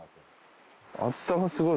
厚さがすごい。